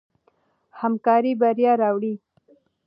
همکاري بریا راوړي.